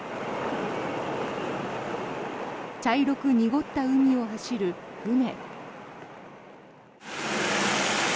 茶色く濁った海を走る船。